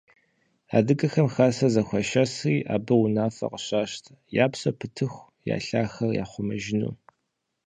Адыгэхэм хасэ зэхуашэсри, абы унафэ къыщащтэ, я псэр пытыху я лъахэр яхъумэжыну.